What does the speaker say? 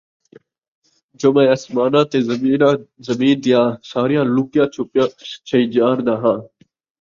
جو مَیں اَسماناں تے زمین دیاں ساریاں لُکیاں چُھپیاں شَئیں ڄاݨداں اَ